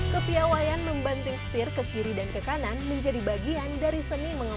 kepiawayan membanting setir ke kiri dan ke kanan menjadi bagian dari seni mengembang